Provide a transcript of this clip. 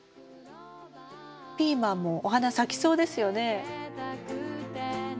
ピーマンもお花咲きそうですよね。